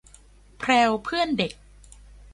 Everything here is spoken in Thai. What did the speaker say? แพรวเพื่อนเด็ก